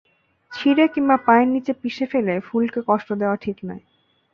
ছিঁড়ে কিংবা পায়ের নিচে পিষে ফেলে ফুলকে কষ্ট দেওয়া ঠিক নয়।